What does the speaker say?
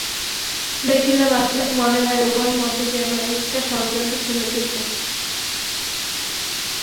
দেখিলে বাস্তবিক মনে হয়, উভয়ের মধ্যে যেন একটা ষড়যন্ত্র চলিতেছে।